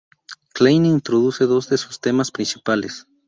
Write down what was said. Klein introduce dos de sus temas principales.